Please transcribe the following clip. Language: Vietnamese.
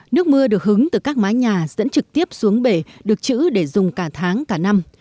nước mưa được hứng từ các mái nhà dẫn trực tiếp xuống bể được chữ để dùng cả tháng cả năm